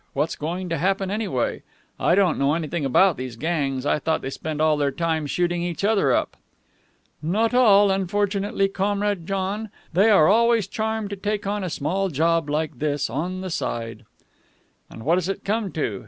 What's going to happen, anyway? I don't know anything about these gangs. I thought they spent all their time shooting each other up." "Not all, unfortunately, Comrade John. They are always charmed to take on a small job like this on the side." "And what does it come to?